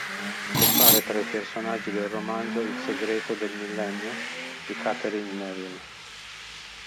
Compare tra i personaggi del romanzo "Il segreto del millennio" di Katherine Neville.